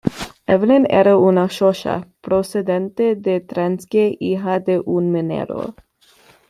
Evelyn era una Xhosa procedente de Transkei hija de un minero.